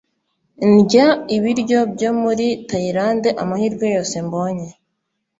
Ndya ibiryo byo muri Tayilande amahirwe yose mbonye